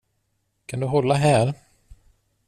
Kan du hålla här?